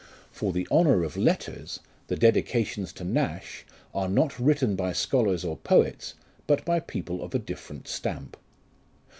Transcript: For the honour of letters, the dedications to Nash are not written by scholars or poets, but by people of a different stamp.